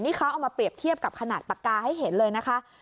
นี่เขาเอามาเปรียบเทียบกับขนาดปากกาให้เห็นเลยนะคะ